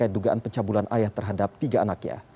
alwi bisa anda jelaskan